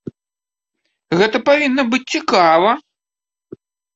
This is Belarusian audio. Гэта павінна быць цікава!